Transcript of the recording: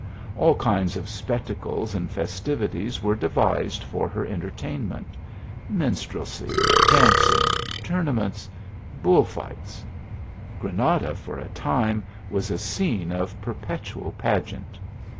11 kinds of spectacles and festivities were devised r her entertainment ; minstrelsy, dancing, tourna* raents, bull fights; Granada, for a time, was a scene of perpetual pageant.